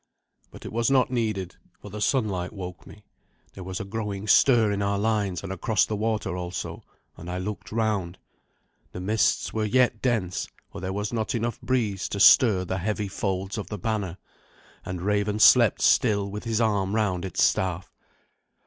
But it was not needed, for the sunlight woke me. There was a growing stir in our lines and across the water also, and I looked round. The mists were yet dense, for there was not enough breeze to stir the heavy folds of the banner, and Raven slept still with his arm round its staff.